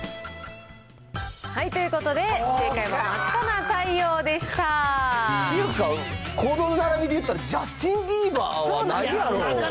ということで、っていうか、この並びでいったら、ジャスティン・ビーバーはないやろ。